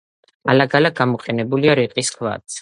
ალაგ-ალაგ გამოყენებულია რიყის ქვაც.